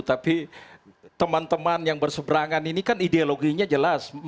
tapi teman teman yang berseberangan ini kan ideologinya jelas